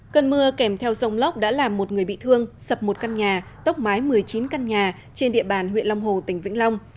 cơn mưa kèm theo dòng lốc đã làm một người bị thương sập một căn nhà tốc mái một mươi chín căn nhà trên địa bàn huyện long hồ tỉnh vĩnh long